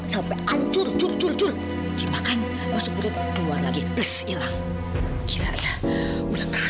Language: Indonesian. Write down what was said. sampai jumpa di video selanjutnya